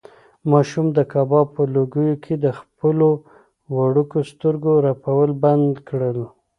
ماشوم د کباب په لوګیو کې د خپلو وړوکو سترګو رپول بند کړل.